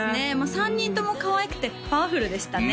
３人ともかわいくてパワフルでしたね